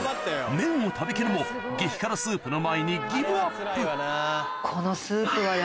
麺を食べきるも激辛スープの前にこの。